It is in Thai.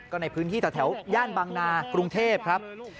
ก็ในพื้นที่แถวย่านบางนากรุงเทพครับ